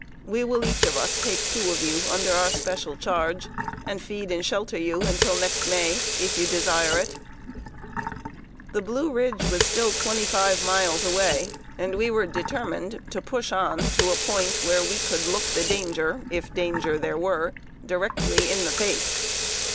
We will each of us take two of you under our special charge, and feed and shelter you until next May, if you desire it." [Sidenote: TWO ESCAPING REBEL DESERTERS.] The Blue Ridge was still twenty five miles away, and we determined to push on to a point where we could look the danger, if danger there were, directly in the face.